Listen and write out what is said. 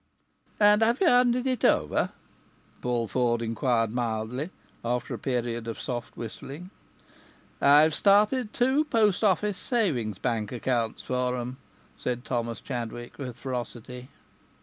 "And have you handed it over?" Paul Ford inquired mildly, after a period of soft whistling. "I've started two post office savings bank accounts for 'em," said Thomas Chadwick, with ferocity.